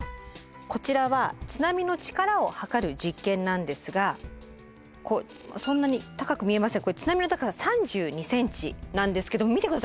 こちらは津波の力を測る実験なんですがそんなに高く見えませんがこれ津波の高さ３２ｃｍなんですけど見て下さい。